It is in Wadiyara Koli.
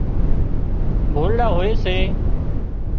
ڀولڙا هوئي سي